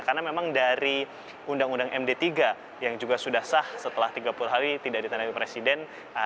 karena memang dari undang undang md tiga yang juga sudah sah setelah tiga puluh hari tidak ditandai presiden